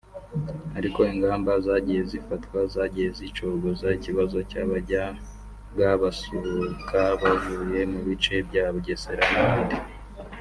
ariko ingamba zagiye zifatwa zagiye zicogoza ikibazo cy’abajyaga basuhuka bavuye mu bice bya Bugesera n’ahandi